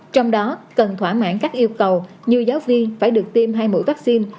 trong đó cần thỏa mãn các yêu cầu như giáo viên phải được tiêm hai mũi vaccine